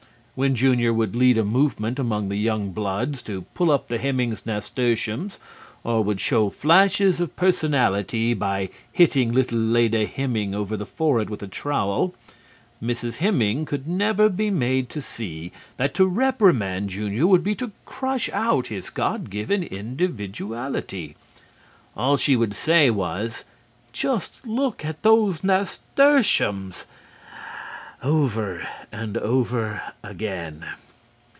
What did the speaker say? When Junior would lead a movement among the young bloods to pull up the Hemmings' nasturtiums or would show flashes of personality by hitting little Leda Hemming over the forehead with a trowel, Mrs. Hemming could never be made to see that to reprimand Junior would be to crush out his God given individuality. All she would say was, "Just look at those nasturtiums!" over and over again.